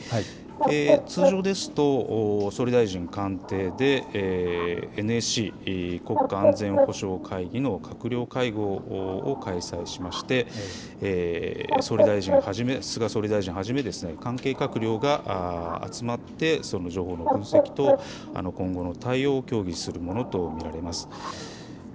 通常ですと総理大臣官邸でＮＳＣ・国家安全保障会議の閣僚会合を開催しまして菅総理大臣をはじめ関係閣僚が集まってそういう情報の分析と今後の対応を協議するものと見られます。